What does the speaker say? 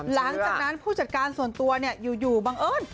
หลังจากนั้นผู้จัดการส่วนตัวอยู่บังเอิญ